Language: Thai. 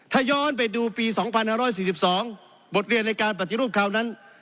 ถ้าย้อนไปดูปี๒๕๔๒บทเรียนในการปฏิรูปคราวนั้น